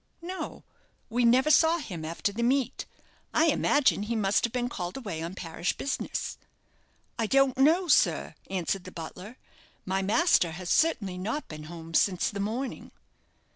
"No; we never saw him after the meet. I imagine he must have been called away on parish business." "I don't know, sir," answered the butler; "my master has certainly not been home since the morning."